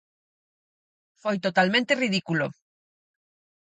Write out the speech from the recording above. Foi totalmente ridículo.